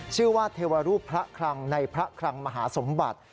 ชื่อว่าเทวรูปพระคลังในพระคลังมหาสมบัติ